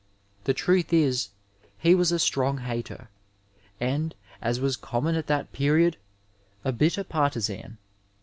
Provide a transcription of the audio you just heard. The truth is he was a strong hater, and, as was common at that period, a bitter partisan.